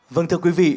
vâng thưa quý vị